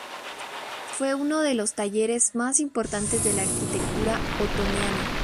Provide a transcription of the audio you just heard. Fue uno de los talleres más importantes de la arquitectura otoniana.